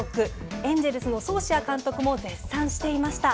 エンジェルスのソーシア監督も絶賛していました。